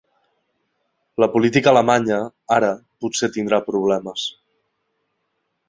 La política alemanya ara potser tindrà problemes.